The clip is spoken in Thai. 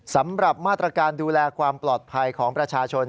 สำหรับมาตรการดูแลความปลอดภัยของประชาชน